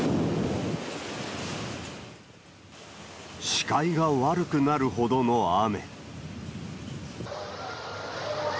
視界が悪くなるほどの雨。